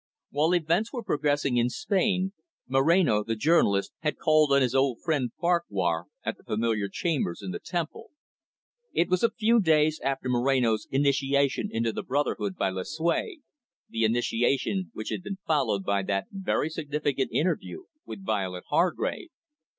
While events were progressing in Spain, Moreno the journalist had called on his old friend Farquhar at the familiar chambers in the Temple. It was a few days after Moreno's initiation into the brotherhood by Lucue the initiation which had been followed by that very significant interview with Violet Hargrave.